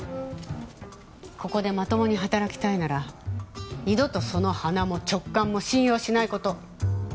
ここでまともに働きたいなら二度とその鼻も直感も信用しない事。